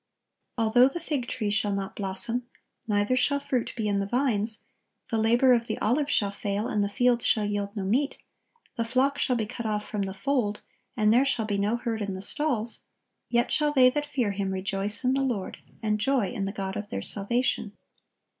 (1079) "Although the fig tree shall not blossom, neither shall fruit be in the vines; the labor of the olive shall fail, and the fields shall yield no meat; the flock shall be cut off from the fold, and there shall be no herd in the stalls:" yet shall they that fear Him "rejoice in the Lord," and joy in the God of their salvation.